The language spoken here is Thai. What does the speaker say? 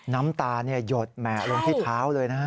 น้ำตายดแหมะลงที่เท้าเลยนะฮะ